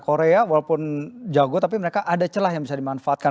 korea walaupun jago tapi mereka ada celah yang bisa dimanfaatkan